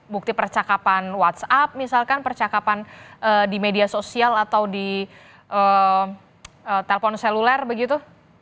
bukti percakapan whatsapp misalkan percakapan di media sosial atau di telpon seluler begitu